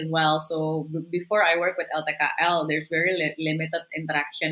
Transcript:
sebelum saya bekerja dengan ltkl ada interaksi yang sangat terbatas